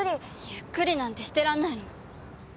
ゆっくりなんてしてらんないの。